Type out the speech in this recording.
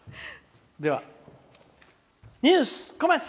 「ニュースこまち」！